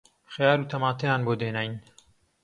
خەیار و تەماتەیان بۆ دێناین